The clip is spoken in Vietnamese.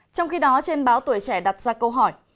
trong khi đó trên báo tuổi trẻ đặt ra câu hỏi